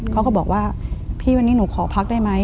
เขาก็บอกว่าพี่วันนี้หนูขอพักได้ไหม